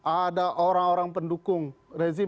ada orang orang pendukung rezim